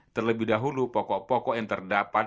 terlebih dahulu pokok pokok yang terdapat